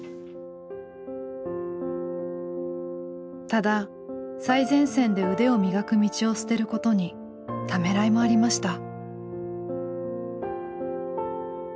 ただ最前線で腕を磨く道を捨てることにためらいもありました。